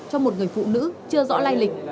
cho một người phụ nữ chưa rõ lai lịch